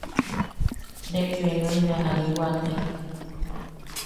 Rebbe nuen bea aa jariwa tea.